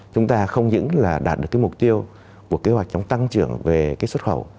chúng ta không những đạt được mục tiêu của kế hoạch chống tăng trưởng về xuất khẩu